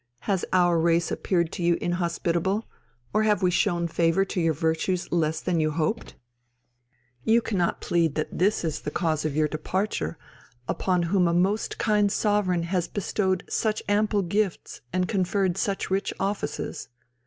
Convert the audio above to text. Has our race appeared to you inhospitable, or have we shown favour to your virtues less than you hoped? You cannot plead that this is the cause of your departure, upon whom a most kind sovereign has bestowed such ample gifts and conferred such rich offices."